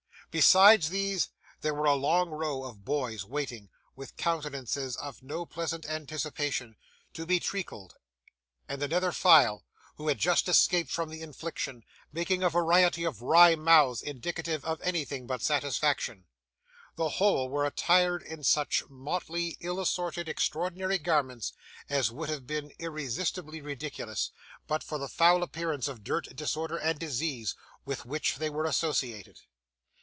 Besides these, there was a long row of boys waiting, with countenances of no pleasant anticipation, to be treacled; and another file, who had just escaped from the infliction, making a variety of wry mouths indicative of anything but satisfaction. The whole were attired in such motley, ill assorted, extraordinary garments, as would have been irresistibly ridiculous, but for the foul appearance of dirt, disorder, and disease, with which they were associated.